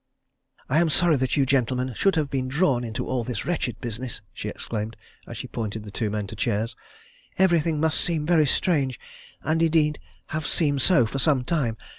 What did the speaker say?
"I am sorry that you gentlemen should have been drawn into all this wretched business!" she exclaimed, as she pointed the two men to chairs. "Everything must seem very strange, and indeed have seemed so for some time.